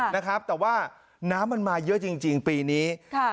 นะครับแต่ว่าน้ำมันมาเยอะจริงจริงปีนี้ค่ะ